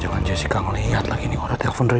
jauh jauh jika melihat lagi nih udah telepon rizya